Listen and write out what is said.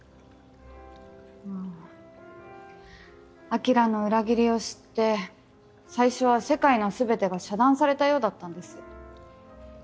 晶の裏切りを知って最初は世界の全てが遮断されたようだったんです。